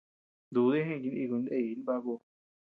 Dúdi jeʼeñ jinikuy ndeayaa Jibaku.